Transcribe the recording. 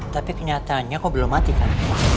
tapi kenyataannya kok belum mati kan